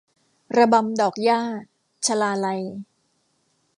ระบำดอกหญ้า - ชลาลัย